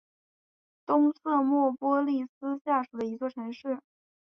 东瑟莫波利斯下属的一座城市。